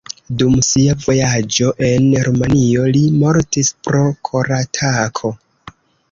Dum sia vojaĝo en Rumanio li mortis pro koratako.